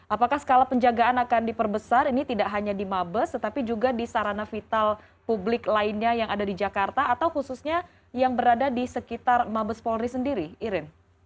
apakah skala penjagaan akan diperbesar ini tidak hanya di mabes tetapi juga di sarana vital publik lainnya yang ada di jakarta atau khususnya yang berada di sekitar mabes polri sendiri irin